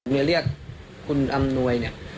เพื่อเลี่ยงคุณอำนวยเนี่ย